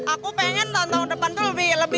aku pengen tahun tahun depan itu lebih gede lagi